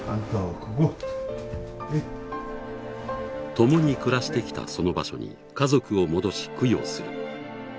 共に暮らしてきたその場所に家族を戻し供養する。